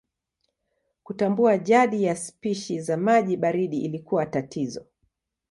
Kutambua jadi ya spishi za maji baridi ilikuwa tatizo.